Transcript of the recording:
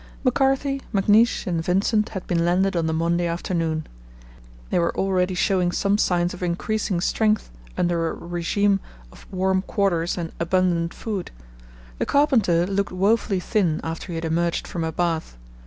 McCarthy, McNeish, and Vincent had been landed on the Monday afternoon. They were already showing some signs of increasing strength under a regime of warm quarters and abundant food. The carpenter looked woefully thin after he had emerged from a bath.